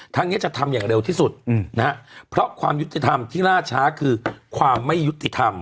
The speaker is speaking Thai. นี้จะทำอย่างเร็วที่สุดนะฮะเพราะความยุติธรรมที่ล่าช้าคือความไม่ยุติธรรม